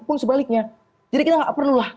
pun sebaliknya jadi kita tidak perlu lah